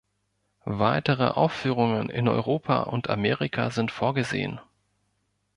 Weitere Aufführungen in Europa und Amerika sind vorgesehen.